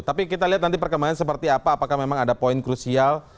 tapi kita lihat nanti perkembangan seperti apa apakah memang ada poin krusial